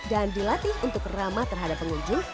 dan dilatih untuk kerama terhadap pengunjung